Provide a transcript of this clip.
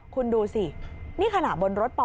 คุณดูสินี่ขนาดบนรถปอนะ